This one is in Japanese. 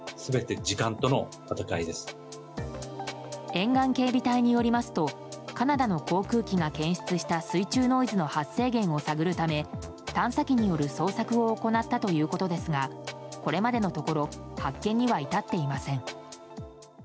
沿岸警備隊によりますとカナダの航空機が検出した水中ノイズの発生源を探るため探査機による捜索を行ったということですがこれまでのところ発見には至っていません。